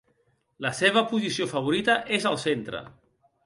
La seva posició favorita és es el centre.